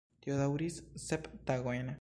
Tio daŭris sep tagojn.